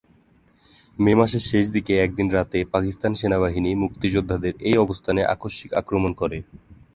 মে মাসের শেষ দিকে একদিন রাতে পাকিস্তান সেনাবাহিনী মুক্তিযোদ্ধাদের এই অবস্থানে আকস্মিক আক্রমণ করে।